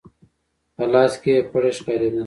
په لاس کې يې پړی ښکارېده.